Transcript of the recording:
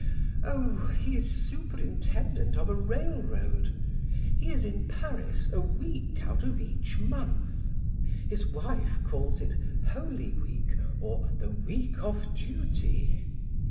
"Oh, he is superintendent of a railroad. He is in Paris a week out of each month. His wife calls it 'Holy Week.' or 'The week of duty.'